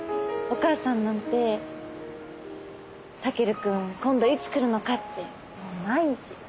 お母さんなんてタケルくん今度いつ来るのかってもう毎日。